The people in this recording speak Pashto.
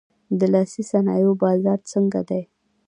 د لاسي صنایعو بازار څنګه دی؟